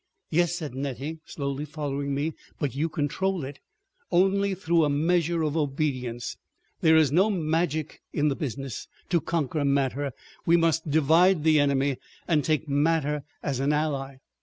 "Yes," said Nettie, slowly following me, "but you control it." "Only through a measure of obedience. There is no magic in the business—to conquer matter, we must divide the enemy, and take matter as an ally.